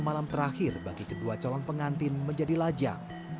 malam terakhir bagi kedua calon pengantin menjadi lajang